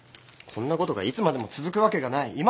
こんなことがいつまでも続くわけがない。